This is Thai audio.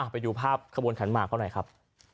ไปดูภาพขบวนขันหมากเขาหน่อยครับ